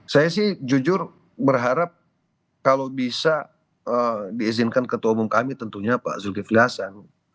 saya sih jujur berharap kalau bisa diizinkan ketua umum kami tentunya pak zulkifli hasan